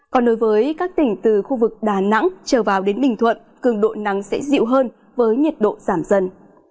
còn đối với các tỉnh từ khu vực đà nẵng trở vào đến bình thuận cường độ nắng sẽ dịu hơn với nhiệt độ giảm dần